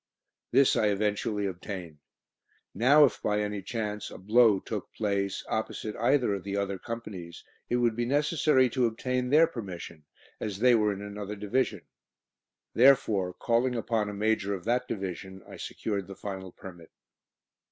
This I eventually obtained. Now if by any chance a "blow" took place opposite either of the other Companies, it would be necessary to obtain their permission, as they were in another Division. Therefore, calling upon a major of that Division, I secured the final permit.